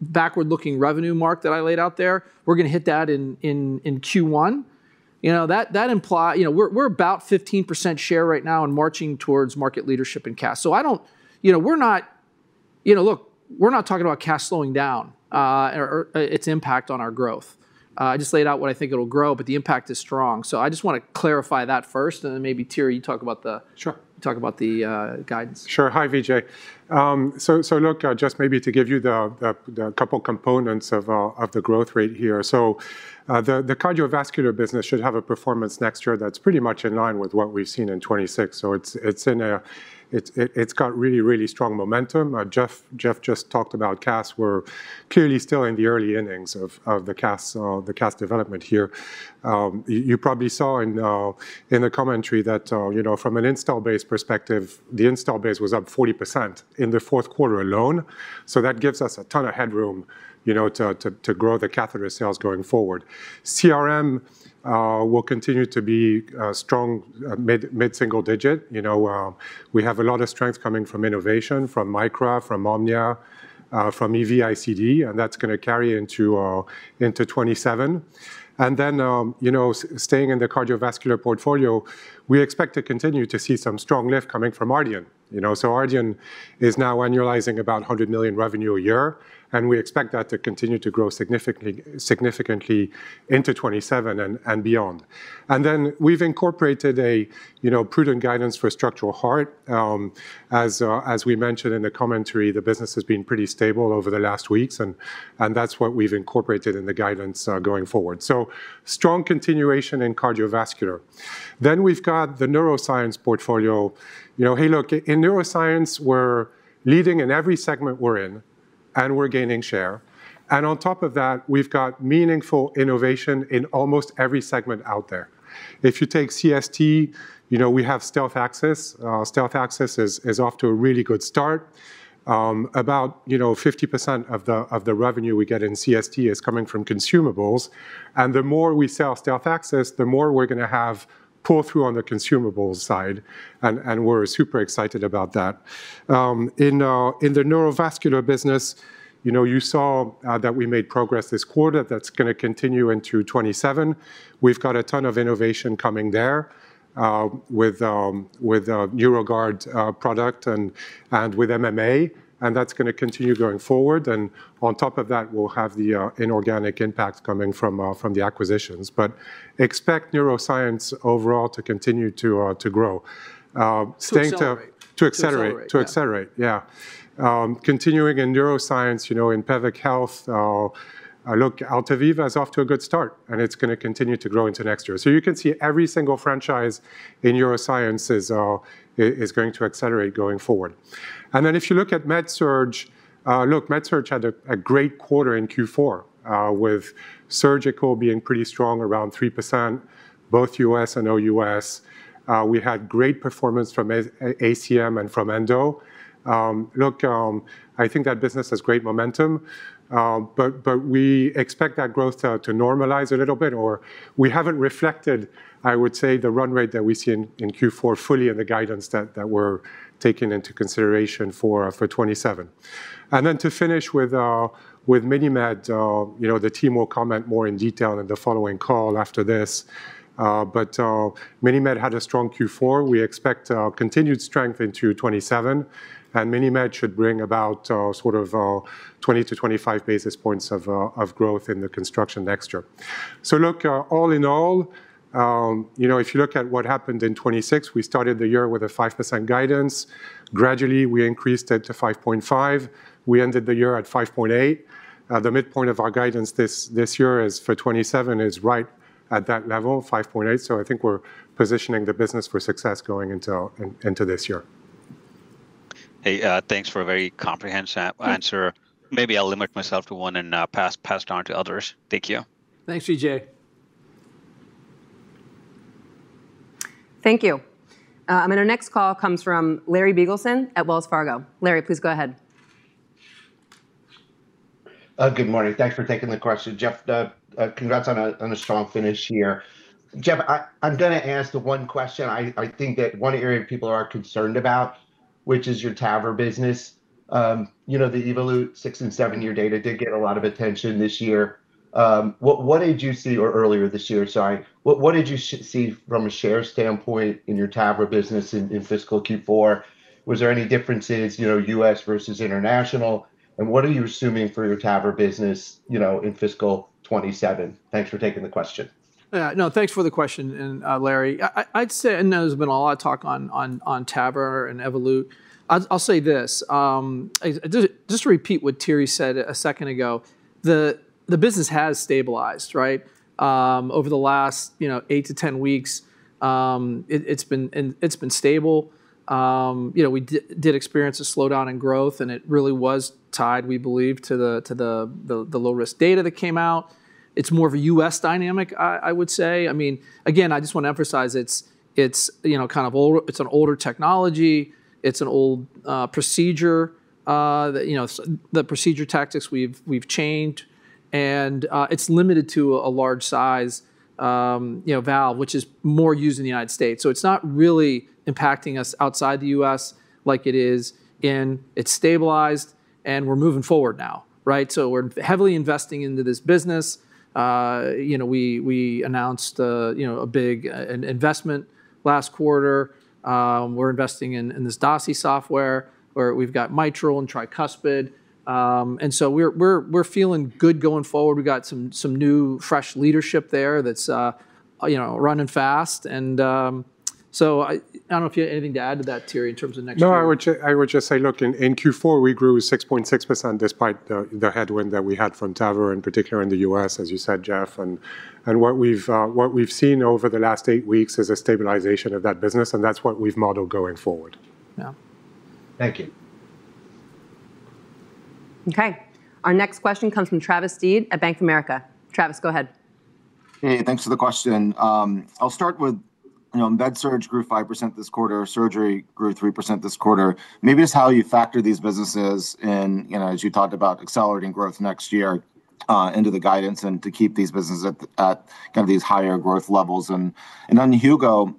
B: backward-looking revenue mark that I laid out there. We're going to hit that in Q1. We're about 15% share right now and marching towards market leadership in CAS. Look, we're not talking about CAS slowing down or its impact on our growth. I just laid out what I think it'll grow, but the impact is strong. I just want to clarify that first, and then maybe Thierry, you talk about the...
C: Sure ...
B: Talk about the guidance.
C: Sure. Hi, Vijay. Look, just maybe to give you the couple components of the growth rate here. The cardiovascular business should have a performance next year that's pretty much in line with what we've seen in 2026. It's got really, really strong momentum. Geoff just talked about CAS. We're clearly still in the early innings of the CAS development here. You probably saw in the commentary that from an install base perspective, the install base was up 40% in the fourth quarter alone. That gives us a ton of headroom to grow the catheter sales going forward. CRM will continue to be a strong mid-single digit. We have a lot of strength coming from innovation, from Micra, from Omnia, from EV-ICD, and that's going to carry into 2027. Staying in the Cardiovascular Portfolio, we expect to continue to see some strong lift coming from Ardian. Ardian is now annualizing about $100 million revenue a year, and we expect that to continue to grow significantly into 2027 and beyond. We've incorporated a prudent guidance for Structural Heart. As we mentioned in the commentary, the business has been pretty stable over the last weeks, and that's what we've incorporated in the guidance going forward. Strong continuation in Cardiovascular. We've got the Neuroscience Portfolio. In Neuroscience, we're leading in every segment we're in, and we're gaining share. On top of that, we've got meaningful innovation in almost every segment out there. If you take CST, we have Stealth AXiS. Stealth AXiS is off to a really good start. About 50% of the revenue we get in CST is coming from consumables. The more we sell Stealth AXiS, the more we're going to have pull through on the consumables side, and we're super excited about that. In the neurovascular business, you saw that we made progress this quarter that's going to continue into 2027. We've got a ton of innovation coming there with Neuroguard product and with MMA, and that's going to continue going forward. On top of that, we'll have the inorganic impact coming from the acquisitions. Expect neuroscience overall to continue to grow.
B: To accelerate.
C: To accelerate.
B: To accelerate.
C: To accelerate. Yeah. Continuing in Neuroscience, in Pelvic Health, look, Altaviva is off to a good start, and it's going to continue to grow into next year. You can see every single franchise in Neuroscience is going to accelerate going forward. If you look at MedSurg, look, MedSurg had a great quarter in Q4, with surgical being pretty strong around 3%, both U.S. and OUS. We had great performance from ACM and from Endo. Look, I think that business has great momentum. We expect that growth to normalize a little bit, or we haven't reflected, I would say, the run rate that we see in Q4 fully in the guidance that we're taking into consideration for 2027. To finish with MiniMed, the team will comment more in detail in the following call after this. MiniMed had a strong Q4. We expect continued strength into 2027. MiniMed should bring about sort of 20 to 25 basis points of growth in the contribution next year. Look, all in all, if you look at what happened in 2026, we started the year with a 5% guidance. Gradually, we increased it to 5.5. We ended the year at 5.8. The midpoint of our guidance this year for 2027 is right at that level, 5.8. I think we're positioning the business for success going into this year.
D: Hey, thanks for a very comprehensive answer. Maybe I'll limit myself to one and pass it on to others. Thank you.
B: Thanks, Vijay.
A: Thank you. Our next call comes from Larry Biegelsen at Wells Fargo. Larry, please go ahead.
E: Good morning. Thanks for taking the question. Geoff, congrats on a strong finish here. Geoff, I'm going to ask the one question I think that one area people are concerned about, which is your TAVR business. The Evolut six and seven-year data did get a lot of attention this year, or earlier this year, sorry. What did you see from a share standpoint in your TAVR business in fiscal Q4? Was there any differences, U.S. versus international, and what are you assuming for your TAVR business in fiscal 2027? Thanks for taking the question.
B: Yeah. No, thanks for the question, and, Larry, I'd say, I know there's been a lot of talk on TAVR and Evolut. I'll say this. Just to repeat what Thierry said a second ago, the business has stabilized, right? Over the last eight to 10 weeks, it's been stable. We did experience a slowdown in growth, and it really was tied, we believe, to the low-risk data that came out. It's more of a U.S. dynamic, I would say. Again, I just want to emphasize it's an older technology. It's an old procedure. The procedure tactics we've changed, and it's limited to a large size valve, which is more used in the United States. It's not really impacting us outside the U.S. like it is, and it's stabilized, and we're moving forward now, right? We're heavily investing into this business. We announced a big investment last quarter. We're investing in this DASI software where we've got mitral and tricuspid. We're feeling good going forward. We got some new, fresh leadership there that's running fast. I don't know if you have anything to add to that, Thierry, in terms of next year.
C: I would just say, look, in Q4, we grew 6.6% despite the headwind that we had from TAVR, and particularly in the U.S., as you said, Geoff, and what we've seen over the last eight weeks is a stabilization of that business, and that's what we've modeled going forward.
B: Yeah.
E: Thank you.
A: Okay. Our next question comes from Travis Steed at Bank of America. Travis, go ahead.
F: Hey, thanks for the question. I'll start with MedSurg grew 5% this quarter. Surgery grew 3% this quarter. Maybe it's how you factor these businesses in as you talked about accelerating growth next year into the guidance and to keep these businesses at kind of these higher growth levels. On Hugo,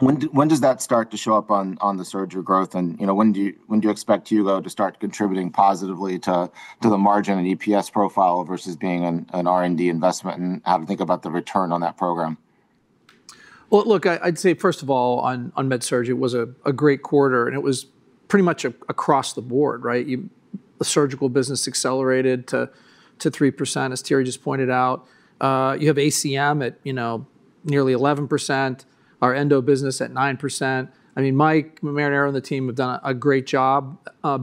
F: when does that start to show up on the surgery growth and when do you expect Hugo to start contributing positively to the margin and EPS profile versus being an R&D investment, and how to think about the return on that program?
B: Well, look, I'd say first of all, on MedSurg, it was a great quarter, and it was pretty much across the board, right? The surgical business accelerated to 3%, as Thierry just pointed out. You have ACM at nearly 11%, our endo business at 9%. Mike Marinaro and the team have done a great job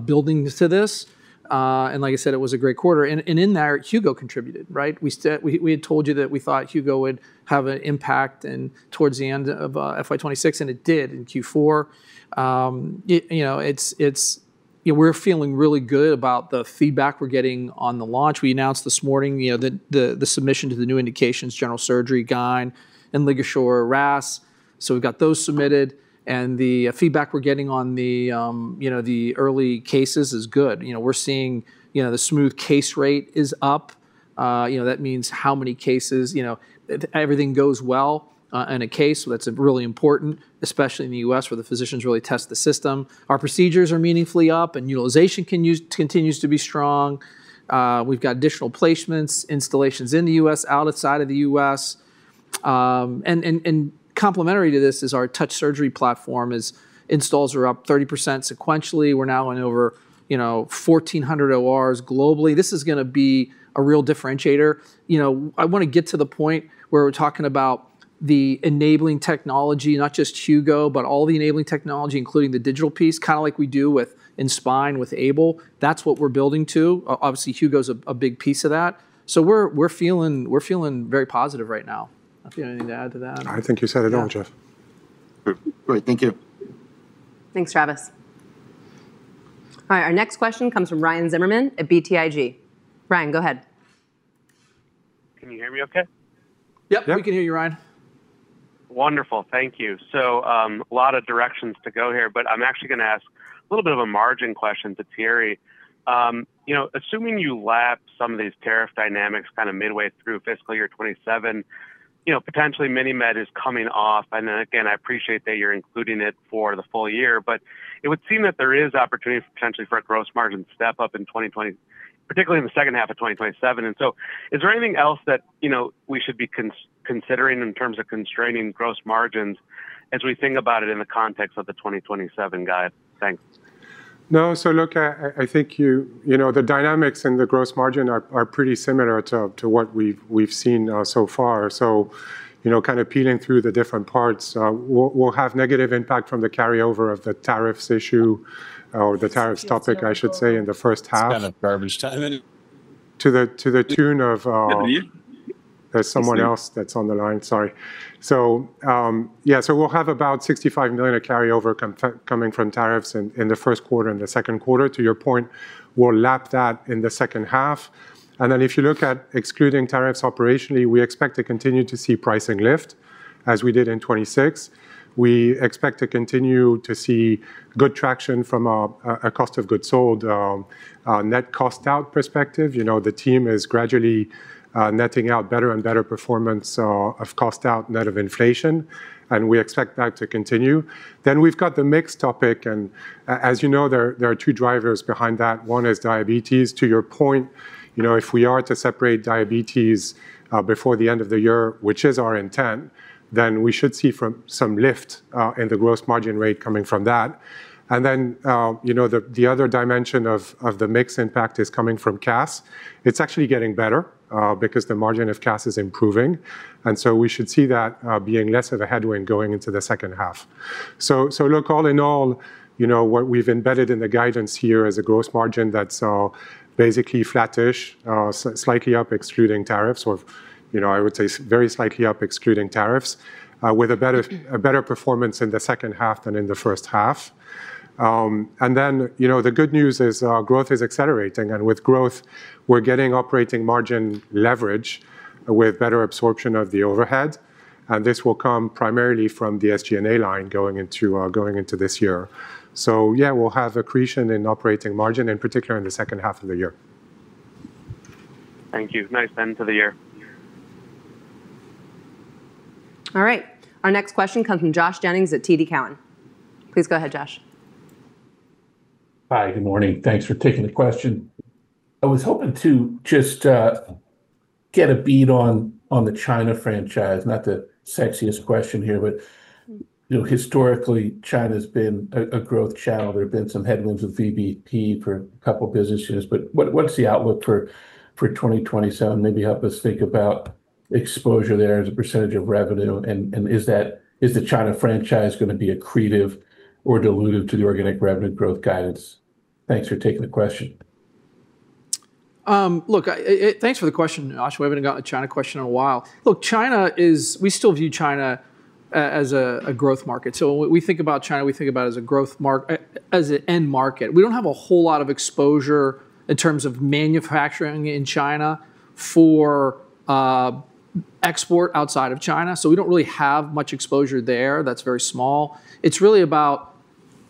B: building to this. Like I said, it was a great quarter. In there, Hugo contributed, right? We had told you that we thought Hugo would have an impact towards the end of FY 2026, and it did in Q4. We're feeling really good about the feedback we're getting on the launch. We announced this morning the submission to the new indications general surgery gyne and LigaSure RAS. We've got those submitted, and the feedback we're getting on the early cases is good. We're seeing the smooth case rate is up. That means how many cases. If everything goes well in a case, that's really important, especially in the U.S., where the physicians really test the system. Our procedures are meaningfully up, utilization continues to be strong. We've got additional placements, installations in the U.S., outside of the U.S. Complementary to this is our Touch Surgery platform is installs are up 30% sequentially. We're now in over 1,400 ORs globally. This is going to be a real differentiator. I want to get to the point where we're talking about the enabling technology, not just Hugo™, but all the enabling technology, including the digital piece, kind of like we do in spine with AiBLE. That's what we're building to. Obviously, Hugo™'s a big piece of that. We're feeling very positive right now. I think you have anything to add to that?
C: I think you said it all, Geoff.
B: Yeah.
F: Great. Thank you.
A: Thanks, Travis. All right, our next question comes from Ryan Zimmerman at BTIG. Ryan, go ahead.
G: Can you hear me okay?
B: Yep.
C: Yep.
B: We can hear you, Ryan.
G: Wonderful. Thank you. A lot of directions to go here, but I'm actually going to ask a little bit of a margin question to Thierry. Assuming you lap some of these tariff dynamics kind of midway through fiscal year 2027, potentially MiniMed is coming off, and then again, I appreciate that you're including it for the full year, but it would seem that there is opportunity potentially for a gross margin step-up, particularly in the second half of 2027. Is there anything else that we should be considering in terms of constraining gross margins as we think about it in the context of the 2027 guide? Thanks.
C: Look, I think the dynamics in the gross margin are pretty similar to what we've seen so far. Kind of peeling through the different parts, we'll have negative impact from the carryover of the tariffs issue or the tariffs topic, I should say, in the first half. There's someone else that's on the line, sorry. We'll have about $65 million of carryover coming from tariffs in the first quarter and the second quarter. To your point, we'll lap that in the second half. If you look at excluding tariffs operationally, we expect to continue to see pricing lift as we did in 2026. We expect to continue to see good traction from a cost of goods sold, net cost out perspective. The team is gradually netting out better and better performance of cost out net of inflation, and we expect that to continue. We've got the mix topic, and as you know, there are two drivers behind that. One is Diabetes, to your point. If we are to separate MiniMed before the end of the year, which is our intent, then we should see some lift in the gross margin rate coming from that. The other dimension of the mix impact is coming from CAS. It is actually getting better because the margin of CAS is improving, and so we should see that being less of a headwind going into the second half. Look, all in all, what we have embedded in the guidance here is a gross margin that is basically flattish, slightly up excluding tariffs, or I would say very slightly up excluding tariffs, with a better performance in the second half than in the first half. The good news is growth is accelerating, and with growth, we are getting operating margin leverage with better absorption of the overhead. This will come primarily from the SG&A line going into this year. We'll have accretion in operating margin, in particular in the second half of the year.
G: Thank you. Nice end to the year.
A: All right. Our next question comes from Josh Jennings at TD Cowen. Please go ahead, Josh.
H: Hi. Good morning. Thanks for taking the question. I was hoping to just get a bead on the China franchise. Not the sexiest question here, but historically China's been a growth channel. There have been some headwinds with VBP for a couple business years, but what's the outlook for 2027? Maybe help us think about exposure there as a % of revenue, and is the China franchise going to be accretive or dilutive to the organic revenue growth guidance? Thanks for taking the question.
B: Thanks for the question, Josh. We haven't gotten a China question in a while. We still view China as a growth market. When we think about China, we think about it as an end market. We don't have a whole lot of exposure in terms of manufacturing in China for export outside of China. We don't really have much exposure there. That's very small. It's really about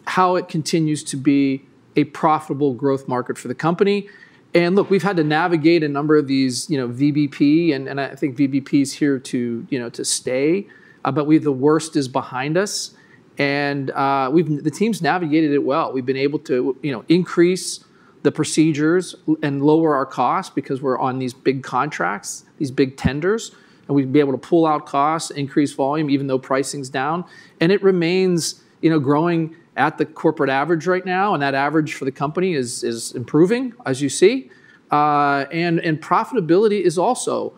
B: how it continues to be a profitable growth market for the company. Look, we've had to navigate a number of these VBP, and I think VBP is here to stay. The worst is behind us, and the team's navigated it well. We've been able to increase the procedures and lower our costs because we're on these big contracts, these big tenders, we've been able to pull out costs, increase volume, even though pricing's down, and it remains growing at the corporate average right now. That average for the company is improving, as you see. Profitability is also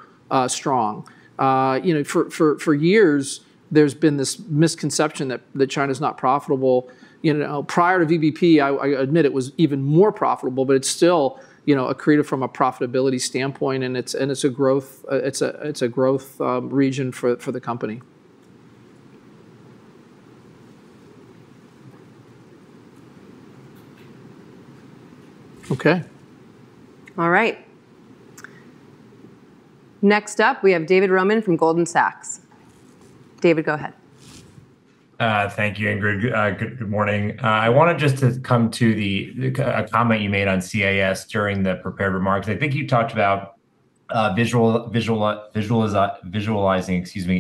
B: strong. For years, there's been this misconception that China's not profitable. Prior to VBP, I admit it was even more profitable, but it's still accretive from a profitability standpoint, and it's a growth region for the company.
H: Okay.
A: All right. Next up, we have David Roman from Goldman Sachs. David, go ahead.
I: Thank you, Ingrid. Good morning. I wanted just to come to a comment you made on CAS during the prepared remarks. I think you talked about visualizing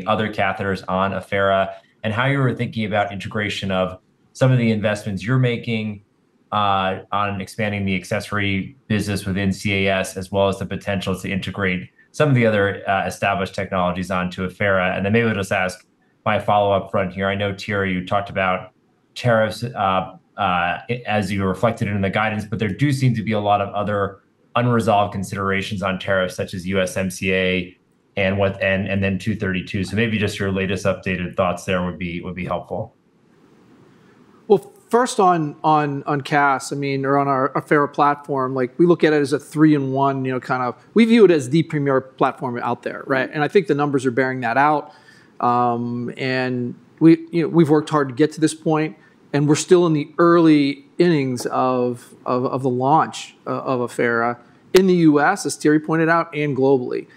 I: other catheters on Affera and how you were thinking about integration of some of the investments you're making on expanding the accessory business within CAS, as well as the potential to integrate some of the other established technologies onto Affera. Then maybe we'll just ask my follow-up front here. I know, Thierry, you talked about tariffs as you reflected in the guidance, but there do seem to be a lot of other unresolved considerations on tariffs, such as USMCA and then 232. Maybe just your latest updated thoughts there would be helpful.
B: Well, first on CAS, or on our Affera platform, we look at it as a three-in-one kind of. We view it as the premier platform out there. I think the numbers are bearing that out. We've worked hard to get to this point, and we're still in the early innings of the launch of Affera in the U.S., as Thierry pointed out, and globally.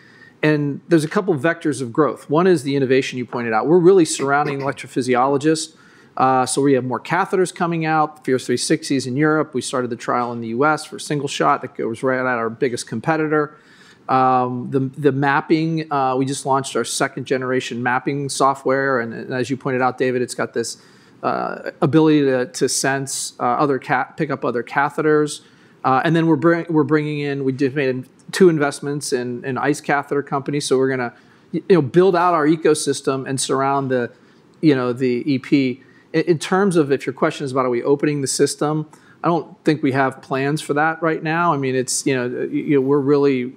B: There's a couple vectors of growth. One is the innovation you pointed out. We're really surrounding electrophysiologists. We have more catheters coming out, the Sphere-360s in Europe. We started the trial in the U.S. for single shot that goes right at our biggest competitor. The mapping, we just launched our second-generation mapping software, and as you pointed out, David, it's got this ability to pick up other catheters. We've made two investments in ICE catheter companies, we're going to build out our ecosystem and surround the EP. In terms of if your question is about are we opening the system, I don't think we have plans for that right now. We're really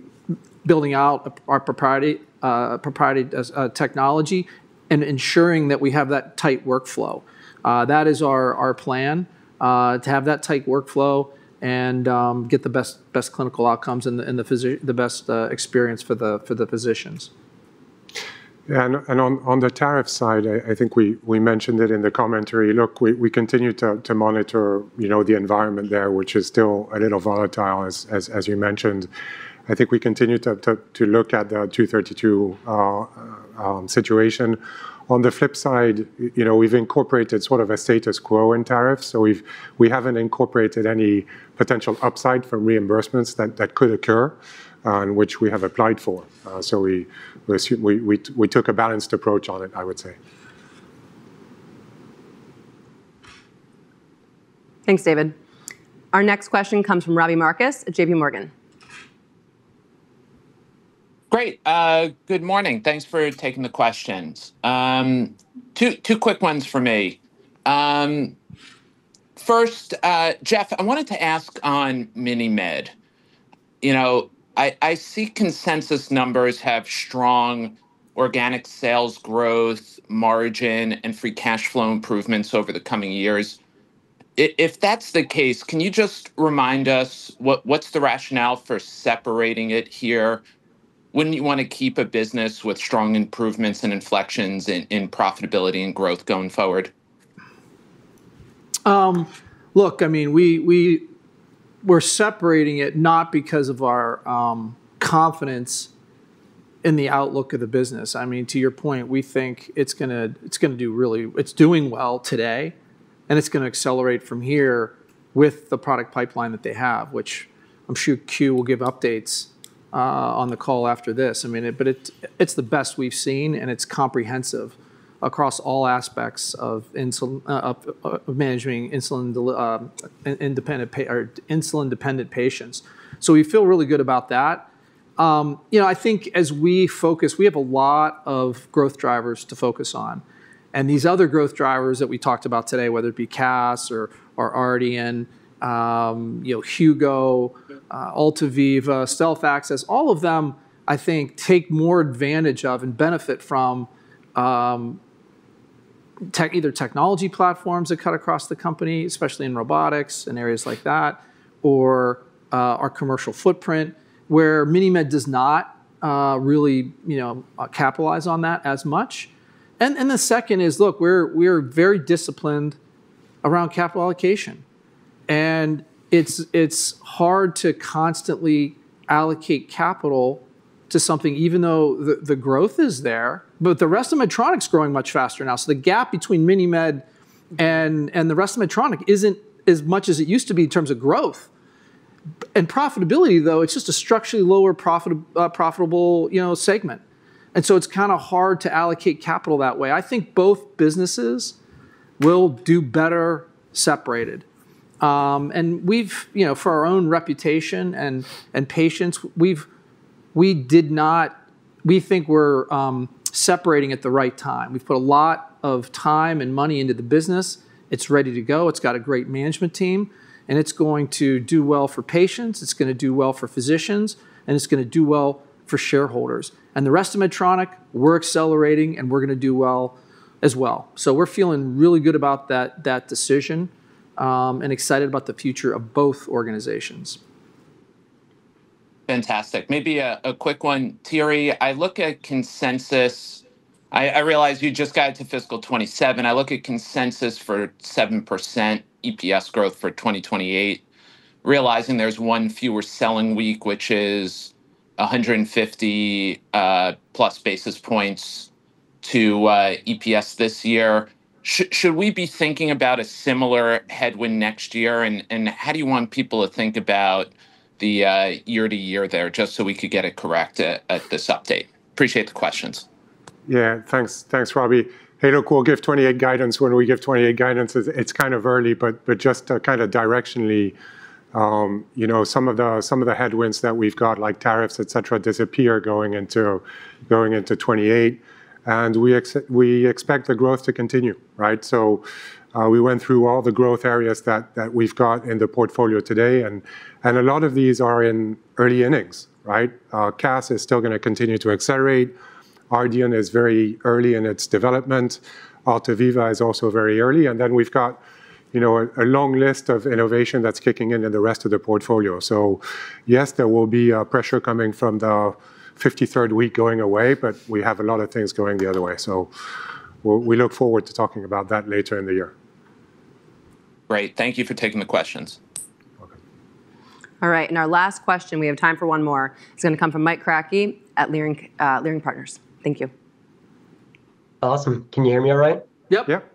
B: building out our proprietary technology and ensuring that we have that tight workflow. That is our plan, to have that tight workflow and get the best clinical outcomes and the best experience for the physicians.
C: Yeah. On the tariff side, I think we mentioned it in the commentary. Look, we continue to monitor the environment there, which is still a little volatile as you mentioned. I think we continue to look at the 232 situation. On the flip side, we've incorporated sort of a status quo in tariffs. We haven't incorporated any potential upside from reimbursements that could occur, and which we have applied for. We took a balanced approach on it, I would say.
A: Thanks, David. Our next question comes from Robbie Marcus at JPMorgan.
J: Great. Good morning. Thanks for taking the questions. Two quick ones for me. First, Geoff, I wanted to ask on MiniMed. I see consensus numbers have strong organic sales growth, margin, and free cash flow improvements over the coming years. If that's the case, can you just remind us what's the rationale for separating it here? Wouldn't you want to keep a business with strong improvements and inflections in profitability and growth going forward?
B: Look, we're separating it not because of our confidence in the outlook of the business. To your point, we think it's doing well today and it's going to accelerate from here with the product pipeline that they have, which I'm sure Q will give updates on the call after this. It's the best we've seen, and it's comprehensive across all aspects of managing insulin-dependent patients. We feel really good about that. I think as we focus, we have a lot of growth drivers to focus on. These other growth drivers that we talked about today, whether it be CAS or Ardian, Hugo, Altaviva, Stealth AXiS, all of them, I think, take more advantage of and benefit from either technology platforms that cut across the company, especially in robotics and areas like that, or our commercial footprint, where MiniMed does not really capitalize on that as much. The second is, look, we're very disciplined around capital allocation, and it's hard to constantly allocate capital to something even though the growth is there. The rest of Medtronic's growing much faster now. The gap between MiniMed and the rest of Medtronic isn't as much as it used to be in terms of growth. Profitability, though, it's just a structurally lower profitable segment. It's kind of hard to allocate capital that way. I think both businesses will do better separated. For our own reputation and patience, we think we're separating at the right time. We've put a lot of time and money into the business. It's ready to go. It's got a great management team, and it's going to do well for patients, it's going to do well for physicians, and it's going to do well for shareholders. The rest of Medtronic, we're accelerating, and we're going to do well as well. We're feeling really good about that decision, and excited about the future of both organizations.
J: Fantastic. Maybe a quick one. Thierry, I look at consensus. I realize you just guided to fiscal 2027. I look at consensus for 7% EPS growth for 2028, realizing there's one fewer selling week, which is 150+ basis points to EPS this year. Should we be thinking about a similar headwind next year? How do you want people to think about the year to year there, just so we could get it correct at this update? Appreciate the questions.
C: Thanks, Robbie. We'll give 2028 guidance when we give 2028 guidance. It's kind of early, but just directionally, some of the headwinds that we've got, like tariffs, et cetera, disappear going into 2028. We expect the growth to continue. Right? We went through all the growth areas that we've got in the portfolio today, and a lot of these are in early innings. Right? CAS is still going to continue to accelerate. Ardian is very early in its development. InterStim is also very early. Then we've got a long list of innovation that's kicking in in the rest of the portfolio. Yes, there will be pressure coming from the 53rd week going away, but we have a lot of things going the other way. We look forward to talking about that later in the year.
J: Great. Thank you for taking the questions.
C: Welcome.
A: All right. Our last question, we have time for one more. It's going to come from Mike Kratky at Leerink Partners. Thank you.
K: Awesome. Can you hear me all right?
B: Yep.
C: Yep.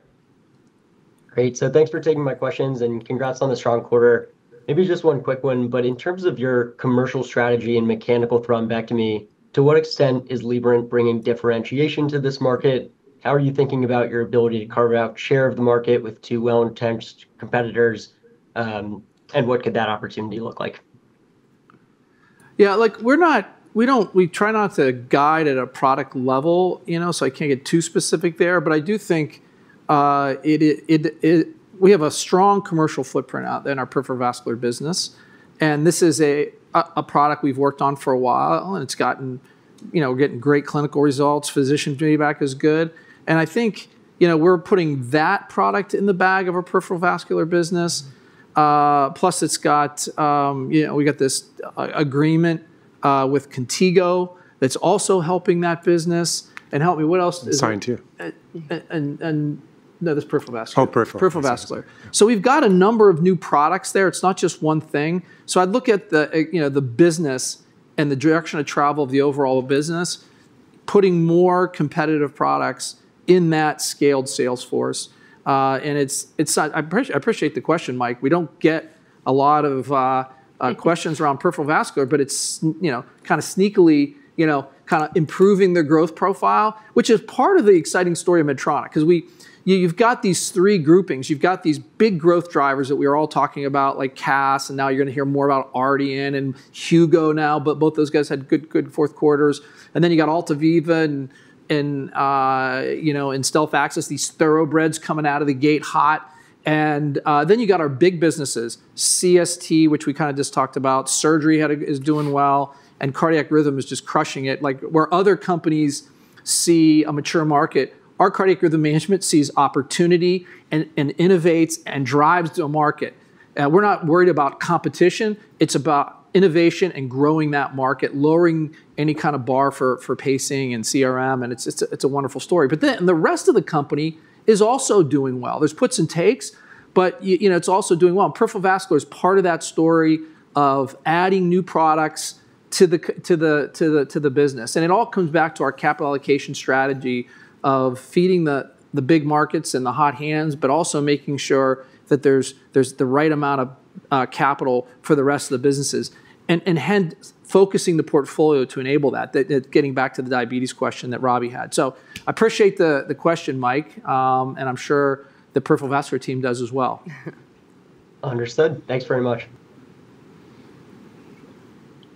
K: Great. Thanks for taking my questions and congrats on the strong quarter. Maybe just one quick one, but in terms of your commercial strategy and mechanical thrombectomy, to what extent is Liberant bringing differentiation to this market? How are you thinking about your ability to carve out share of the market with two well-entrenched competitors? What could that opportunity look like?
B: Yeah. We try not to guide at a product level, so I can't get too specific there. I do think we have a strong commercial footprint out in our peripheral vascular business, and this is a product we've worked on for a while, and we're getting great clinical results. Physician feedback is good, and I think we're putting that product in the bag of our peripheral vascular business. Plus we got this agreement with Contego that's also helping that business. Help me, what else is?
C: Scientific
B: No, that's peripheral vascular.
C: Oh, peripheral vascular.
B: Peripheral vascular. We've got a number of new products there. It's not just one thing. I'd look at the business and the direction of travel of the overall business, putting more competitive products in that scaled sales force. I appreciate the question, Mike. We don't get a lot of questions around peripheral vascular, but it's kind of sneakily improving the growth profile, which is part of the exciting story of Medtronic, because you've got these three groupings. You've got these big growth drivers that we are all talking about, like CAS, and now you're going to hear more about Ardian and Hugo now. Both those guys had good fourth quarters. You've got Altaviva and StealthStation AXiS, these thoroughbreds coming out of the gate hot. You've got our big businesses, CST, which we kind of just talked about. Surgery is doing well, Cardiac Rhythm is just crushing it. Where other companies see a mature market, our Cardiac Rhythm Management sees opportunity and innovates and drives to a market. We're not worried about competition. It's about innovation and growing that market, lowering any kind of bar for pacing and CRM, it's a wonderful story. The rest of the company is also doing well. There's puts and takes, it's also doing well, peripheral vascular is part of that story of adding new products to the business. It all comes back to our capital allocation strategy of feeding the big markets and the hot hands, also making sure that there's the right amount of capital for the rest of the businesses, hence focusing the portfolio to enable that. Getting back to the diabetes question that Robbie had. I appreciate the question, Mike, and I'm sure the peripheral vascular team does as well.
K: Understood. Thanks very much.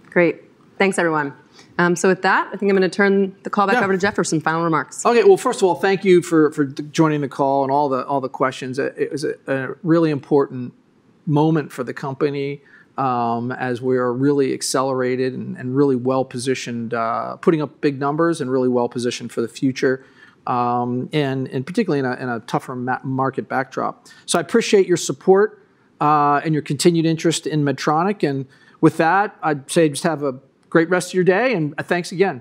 A: Great. Thanks, everyone. With that, I think I'm going to turn the call back over to Geoff for some final remarks.
B: Well, first of all, thank you for joining the call and all the questions. It was a really important moment for the company as we are really accelerated and really well-positioned, putting up big numbers and really well-positioned for the future, and particularly in a tougher market backdrop. I appreciate your support and your continued interest in Medtronic. With that, I'd say just have a great rest of your day, and thanks again.